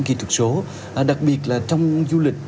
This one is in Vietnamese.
kỹ thuật số đặc biệt là trong du lịch